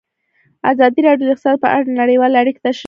ازادي راډیو د اقتصاد په اړه نړیوالې اړیکې تشریح کړي.